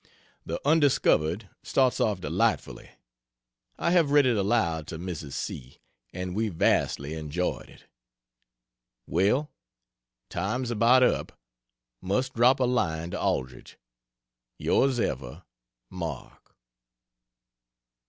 The Undiscovered starts off delightfully I have read it aloud to Mrs. C. and we vastly enjoyed it. Well, time's about up must drop a line to Aldrich. Yrs ever, MARK.